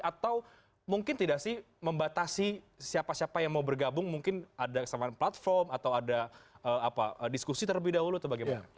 atau mungkin tidak sih membatasi siapa siapa yang mau bergabung mungkin ada kesamaan platform atau ada diskusi terlebih dahulu atau bagaimana